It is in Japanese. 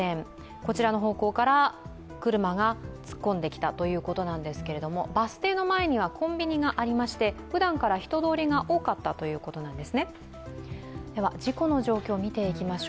こちらの方向から車が突っ込んできたということですがバス停の前にはコンビニがありまして、ふだんから人通りが多かったということです。